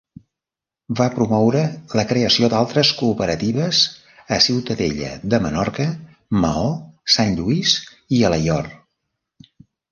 Va promoure la creació d'altres cooperatives a Ciutadella de Menorca, Maó, Sant Lluís i Alaior.